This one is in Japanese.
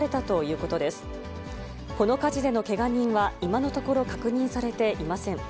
この火事でのけが人は、今のところ、確認されていません。